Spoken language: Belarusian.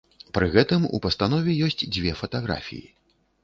Пры гэтым у пастанове ёсць дзве фатаграфіі.